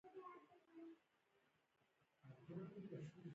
آیا افغاني ماډلونه لرو؟